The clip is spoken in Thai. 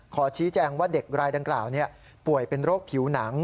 ขอชี้แจงว่าเด็กรายดังกล่าวป่วยเป็นโรคผิวหนัง